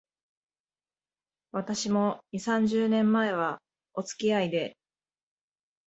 私も、二、三十年前は、おつきあいで